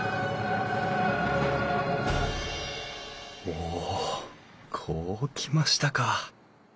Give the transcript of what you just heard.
おおこうきましたか。